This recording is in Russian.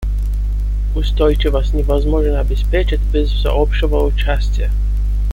Устойчивость невозможно обеспечить без всеобщего участия.